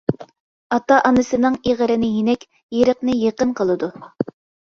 ئاتا-ئانىسىنىڭ ئېغىرىنى يېنىك، يىرىقنى يېقىن قىلىدۇ.